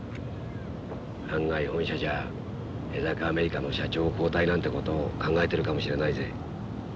案外本社じゃ江坂アメリカの社長交代なんてことを考えてるかもしれないぜ。